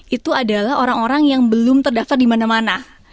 itu adalah orang orang yang belum terdaftar dimana mana